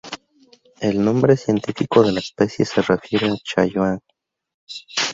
El nombre científico de la especie se refiere a Chaoyang.